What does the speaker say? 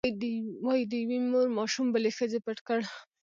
وایي د یوې مور ماشوم بلې ښځې پټ کړ.